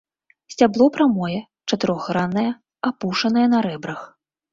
Сцябло прамое, чатырохграннае, апушанае на рэбрах.